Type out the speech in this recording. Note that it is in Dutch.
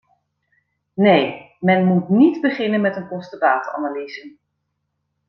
Nee, men moet niet beginnen met een kosten-batenanalyse.